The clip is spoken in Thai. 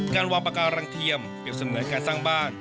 การวางปากการังเทียมเปรียบเสมือนการสร้างบ้าน